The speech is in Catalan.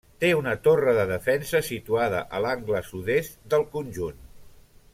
Té una torre de defensa situada a l'angle sud-est del conjunt.